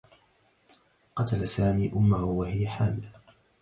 قتل سامي أمه وهي حامل